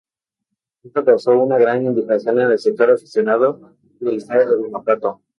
Esto causó una gran indignación en el sector aficionado del estado de Guanajuato.